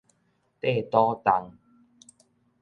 硩肚重